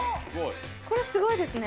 これ、すごいですね。